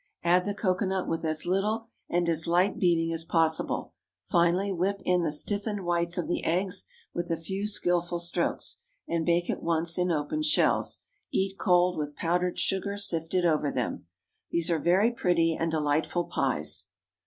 Add the cocoanut with as little and as light beating as possible; finally, whip in the stiffened whites of the eggs with a few skillful strokes, and bake at once in open shells. Eat cold, with powdered sugar sifted over them. These are very pretty and delightful pies.